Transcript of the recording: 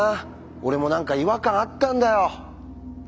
俺も何か違和感あったんだよ。